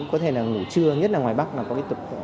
có thể là ngủ trưa nhất là ngoài bắc mà có cái tục